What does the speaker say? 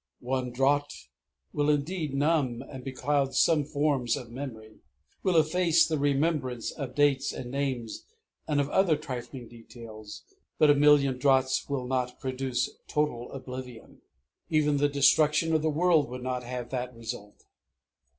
One draught will indeed numb and becloud some forms of memory, will efface the remembrance of dates and names and of other trifling details; but a million draughts will not produce total oblivion. Even the destruction of the world would not have that result.